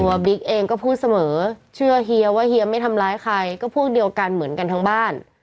บิ๊กเองก็พูดเสมอเชื่อเฮียว่าเฮียไม่ทำร้ายใครก็พวกเดียวกันเหมือนกันทั้งบ้าน